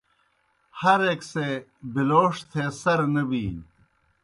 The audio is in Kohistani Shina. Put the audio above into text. ہر ایْک سے بِلوݜ تھے سرہ نہ بِینیْ۔